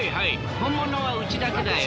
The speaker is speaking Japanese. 本物はうちだけだよ。